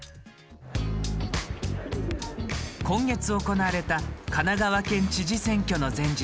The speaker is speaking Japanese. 今月行われた神奈川県知事選挙の前日。